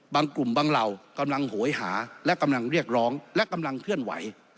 กลุ่มบางเหล่ากำลังโหยหาและกำลังเรียกร้องและกำลังเคลื่อนไหว